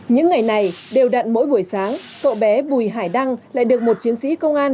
những ngày này đều đặn mỗi buổi sáng cậu bé bùi hải đăng lại được một chiến sĩ công an